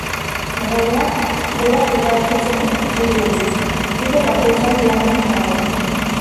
Erregeak berak erabakitzen du kopuru hori, kide bakoitzaren lanaren arabera.